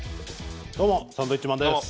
どうも、サンドウィッチマンです。